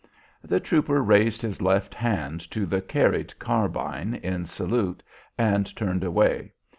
The trooper raised his left hand to the "carried" carbine in salute and turned away.